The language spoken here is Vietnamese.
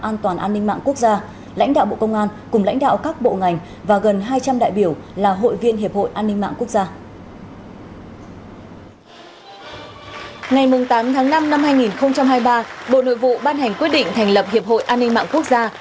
năm hai nghìn hai mươi ba bộ nội vụ ban hành quyết định thành lập hiệp hội an ninh mạng quốc gia